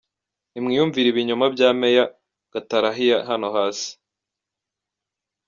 Nimwiyumvire ibinyoma bya Major Gatarayiha hano hasi: